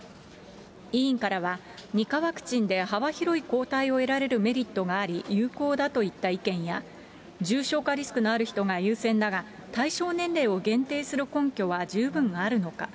委員からは、２価ワクチンで幅広い抗体を得られるメリットがあり、有効だといった意見や、重症化リスクのある人が優先だが、対象年齢を限定する根拠は十分あるのか。